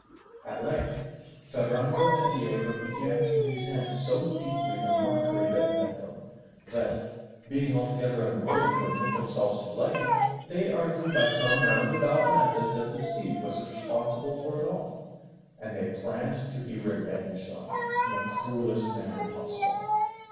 At length Ferrando and Diego began to resent so deeply the mockery that met them, that, being altogether unwilling to admit themselves to blame, they argued by some round about method that the Cid was responsible for it all, and they planned to be revenged on him in the cruellest manner possible.